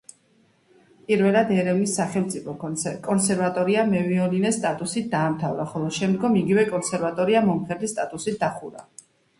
პირველად ერევნის სახელმწიფო კონსერვატორია მევიოლინეს სტატუსით დაამთავრა, ხოლო შემდგომ იგივე კონსერვატორია მომღერლის სტატუსით დახურა.